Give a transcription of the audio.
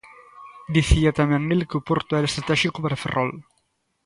Dicía tamén el que o porto era estratéxico para Ferrol.